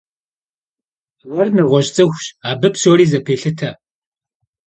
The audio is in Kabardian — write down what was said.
Ар нэгъуэщӏ цӏыхущ, абы псори зэпелъытэ.